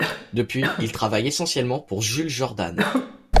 Depuis, il travaille essentiellement pour Jules Jordan.